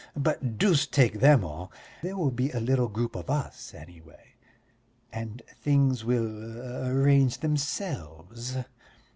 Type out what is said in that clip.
But deuce take them all, there will be a little group of us anyway, and things will arrange themselves.